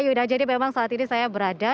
yuda jadi memang saat ini saya berada